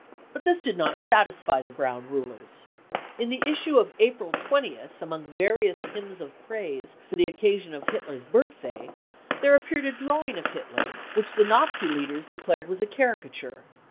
But this did not satisfy the Brown rulers. In the issue of April 20th, among various hymns of praise for the occasional Hitler's birthday, there appeared a drawing of Hitler wifeich the Nazi leaders declared was a caricature.